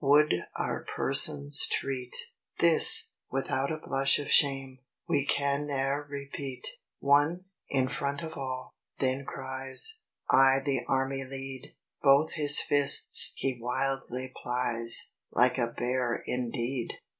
Would our persons treat This, without a blush of shame, We can ne'er repeat; "One, in front of all, then cries, 'I the army lead!' Both his fists he wildly plies, Like a bear indeed!